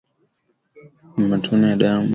Matone ya damu kwenye tando za kamasi